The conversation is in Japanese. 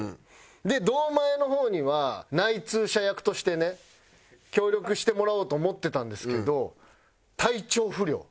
で堂前の方には内通者役としてね協力してもらおうと思ってたんですけど体調不良。